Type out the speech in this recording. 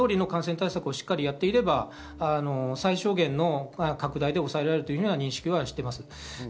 これまで通りの感染対策をしっかりやっていれば最小限の拡大で抑えられるという認識はしています。